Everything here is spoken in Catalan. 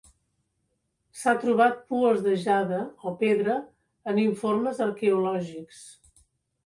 S'ha trobat pues de jade o pedra en informes arqueològics.